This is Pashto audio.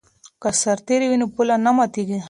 که سرتیری وي نو پوله نه ماتیږي.